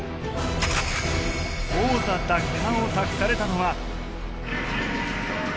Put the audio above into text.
王座奪還を託されたのは。